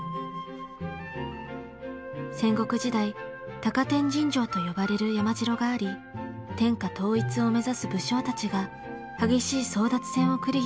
戦国時代高天神城と呼ばれる山城があり天下統一を目指す武将たちが激しい争奪戦を繰り広げていました。